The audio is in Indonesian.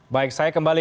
baik saya kembali